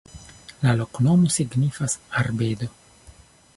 La loknomo signifas: arbedo.